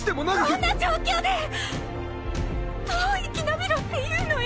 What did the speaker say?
こんな状況でどう生き延びろっていうのよ。